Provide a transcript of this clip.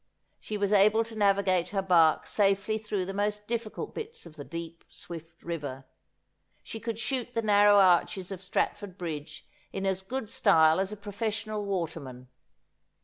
She was able to navigate her bark safelj' through the most difficult bits of the deep swift river. She could shoot the narrow arches of Stratford bridge in as good style as a professional waterman.